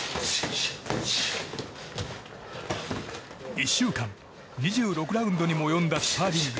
１週間、２６ラウンドにも及んだスパーリング。